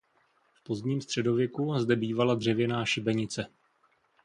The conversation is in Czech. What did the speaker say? V pozdním středověku zde bývala dřevěná šibenice.